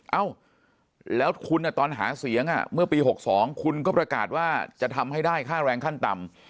เอ้าแล้วคุณตอนหาเสียงเมื่อปี๖๒คุณก็ประกาศว่าจะทำให้ได้ค่าแรงขั้นต่ำ